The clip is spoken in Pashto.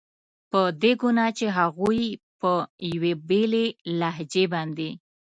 په دې ګناه چې هغوی په یوې بېلې لهجې باندې.